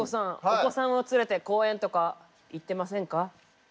お子さんを連れて公園とか行ってませんか？